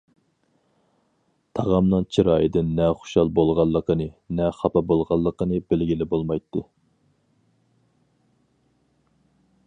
تاغامنىڭ چىرايىدىن نە خۇشال بولغانلىقىنى، نە خاپا بولغانلىقىنى بىلگىلى بولمايتتى.